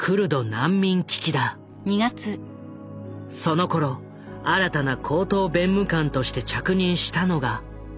そのころ新たな高等弁務官として着任したのが緒方。